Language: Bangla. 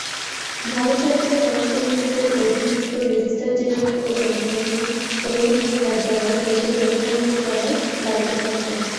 ভারত সরকারের স্বরাষ্ট্র মন্ত্রকের অধীনস্থ রেজিস্টার জেনারেল ও জনগণনা কমিশনারের কার্যালয় দেশে জনগণনা করার দায়িত্বপ্রাপ্ত।